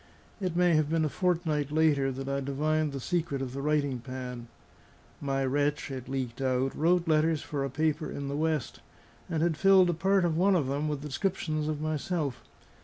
It may have been a fortnight later that I divined the secret of the writing pad. My wretch (it leaked out) wrote letters for a paper in the West, and had filled a part of one of them with descriptions of myself.